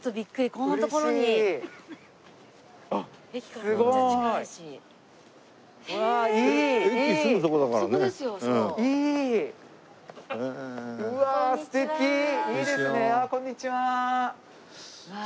こんにちは。